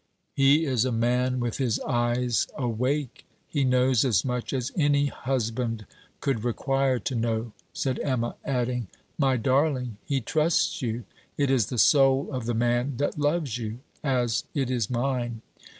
'He is a man with his eyes awake; he knows as much as any husband could require to know,' said Emma; adding: 'My darling! he trusts you. It is the soul of the man that loves you, as it is mine.